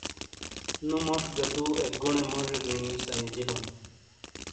نو موج گا دو اک گونے موجی گینی سنیجیلوں